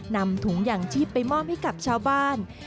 นำถุงอย่างชีพไปมอบให้กับชาวบ้าน